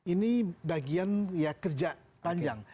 ini bagian ya kerja panjang